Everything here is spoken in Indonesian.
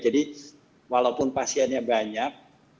jadi walaupun pasiennya banyak